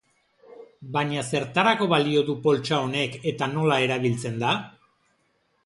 Baina zertarako balio du poltsa honek eta nola erabiltzen da?